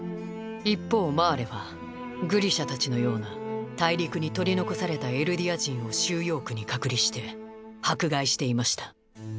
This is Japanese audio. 一方マーレはグリシャたちのような大陸に取り残されたエルディア人を収容区に隔離して迫害していました。